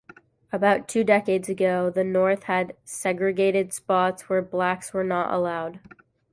About two decades ago, the North had segregated spots where blacks were not allowed.